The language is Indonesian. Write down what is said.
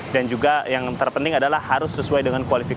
dan juga yang terpenting adalah harus sesuai dengan kualitasnya